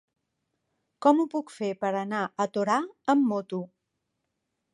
Com ho puc fer per anar a Torà amb moto?